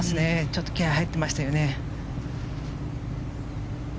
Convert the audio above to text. ちょっと気合入ってましたよね。